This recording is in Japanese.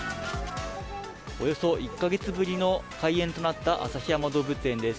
およそ１か月ぶりの開園となった旭山動物園です。